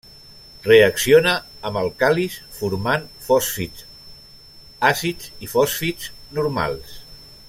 Reacciona amb àlcalis formant fosfits àcids i fosfits normals.